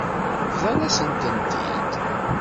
Bḍant-asent-tent-id.